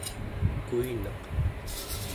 kuineq